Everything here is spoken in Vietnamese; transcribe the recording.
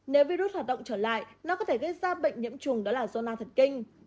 nếu virus hoạt động trở lại nó có thể gây ra bệnh nhiễm trùng đó là zona thần kinh